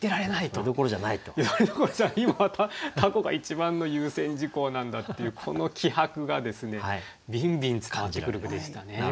それどころじゃない今は凧が一番の優先事項なんだっていうこの気迫がビンビン伝わってくる句でしたね。